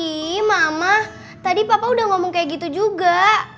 ini mama tadi papa udah ngomong kayak gitu juga